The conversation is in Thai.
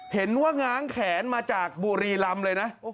เห็นว่าง้างแขนมาจากบุรีรำเลยนะ